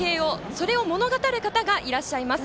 それをあらわしている方がいらっしゃいます。